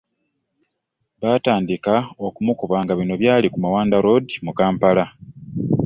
Baatandika okumukuba nga bino byali ku Mawanda road mu Kampala